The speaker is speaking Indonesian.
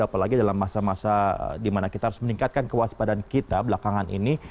apalagi dalam masa masa dimana kita harus meningkatkan kewaspadaan kita belakangan ini